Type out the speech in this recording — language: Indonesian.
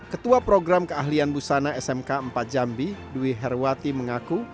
ketua program keahlian busana smk empat jambi dwi herwati mengaku